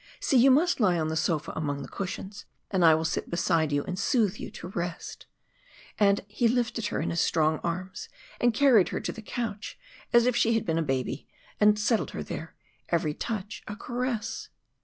See, you must lie on the sofa among the cushions, and I will sit beside you and soothe you to rest." And he lifted her in his strong arms and carried her to the couch as if she had been a baby, and settled her there, every touch a caress.